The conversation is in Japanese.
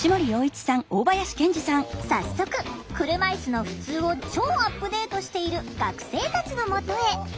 早速車いすのふつうを超アップデートしている学生たちのもとへ。